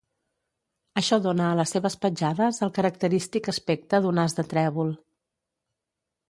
Això dóna a les seves petjades el característic aspecte d'un as de trèvol.